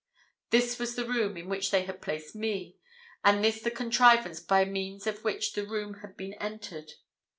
This was the room in which they had placed me, and this the contrivance by means of which the room had been entered.